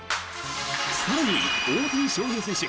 更に大谷翔平選手